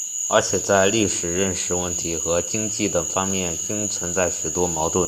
而且在历史认识问题和经济等方面均存在许多矛盾。